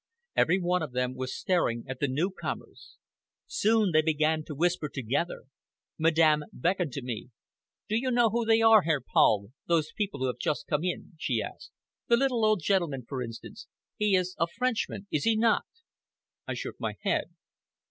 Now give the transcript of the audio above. Every one of them was staring at the newcomers. Soon they began to whisper together. Madame beckoned to me. "Do you know who they are, Herr Paul, those people who have just come in?" she asked. "The little old gentleman, for instance! He is a Frenchman, is he not?" I shook my head.